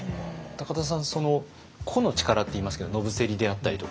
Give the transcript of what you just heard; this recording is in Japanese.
田さんその個の力っていいますけど野伏であったりとか。